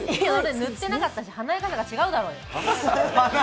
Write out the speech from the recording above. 塗ってなかったし、華やかさが違うだろ。